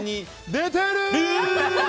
出てる！